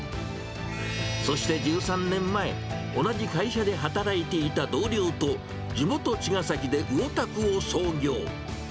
そして１３年前、同じ会社で働いていた同僚と地元、茅ヶ崎で魚卓を創業。